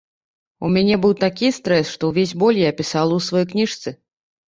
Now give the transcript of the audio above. У мяне быў такі стрэс, што ўвесь боль я апісала ў сваёй кніжцы.